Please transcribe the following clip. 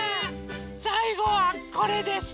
さいごはこれです。